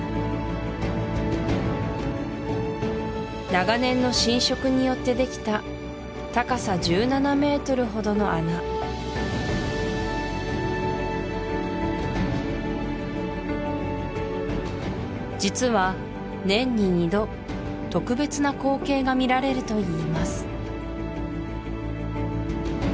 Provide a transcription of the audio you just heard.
長年の浸食によってできた高さ１７ｍほどの穴実は年に２度特別な光景が見られるといいます